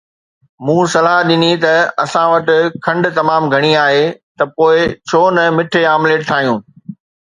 مون صلاح ڏني ته اسان وٽ کنڊ تمام گهڻي آهي ته پوءِ ڇو نه مٺي آمليٽ ٺاهيون